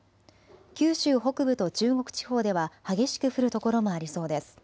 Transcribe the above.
九州北部と中国地方では激しく降る所もありそうです。